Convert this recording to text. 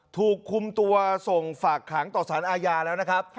ถูกคุมตัวส่งฝากขังต่อสารอาญาแล้วนะครับ